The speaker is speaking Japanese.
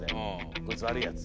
こいつわるいやつ。